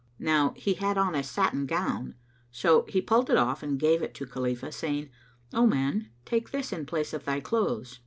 Now he had on a satin gown; so he pulled it off and gave it to Khalifah, saying, "O man, take this in place of thy clothes."